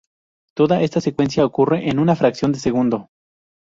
Toda esta secuencia ocurre en una fracción de segundo.